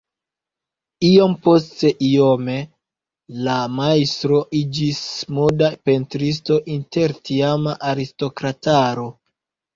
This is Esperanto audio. Iompostiome la majstro iĝis moda pentristo inter tiama aristokrataro.